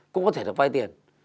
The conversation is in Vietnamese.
cũng có thể được vay tiền